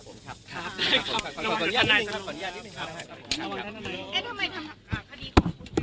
สวัสดี